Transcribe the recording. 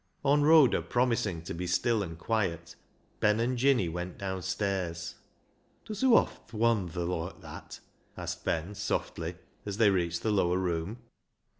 On Rhoda promising to be still and quiet, Ben and Jinny went downstairs. " Does hoo oft wandther loike that ?" asked Ben softly as they reached the lower room.